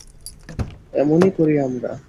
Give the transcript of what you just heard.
এমন-ই করি আমরা।